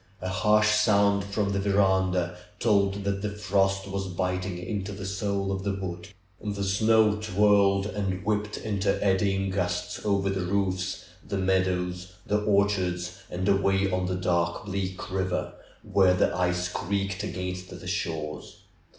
A harsh sound from the veranda, told that the frost was biting into the soul of the wood. The snow twirled and whipped into eddy ing gusts over the roofs, the meadows, the orchards, and away on the dark, bleak river, where the ice creaked against the shores.